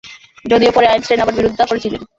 যদিও পরে আইনস্টাইন আবার বিরোধিতা করেছিলেন।